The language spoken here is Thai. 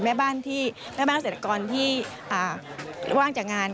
แม่บ้านที่แม่บ้านอาศัยกรณ์ที่ว่างจากงาน